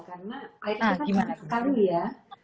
karena air kita kan terkari ya